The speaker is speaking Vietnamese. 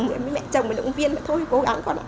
mấy mẹ chồng mấy động viên thôi cố gắng con